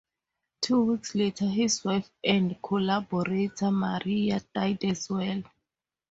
Two weeks later his wife and collaborator Maria died as well.